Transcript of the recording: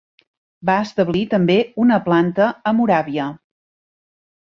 Va establir també una planta a Moràvia.